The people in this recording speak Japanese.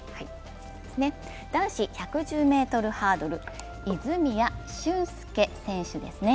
男子１１０ｍハードル、泉谷駿介選手ですね。